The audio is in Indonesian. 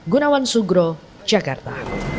gunawan sugro jakarta